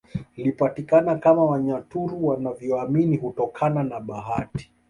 Lipatikana kama Wanyaturu wanaovyoamini hutokana na bahati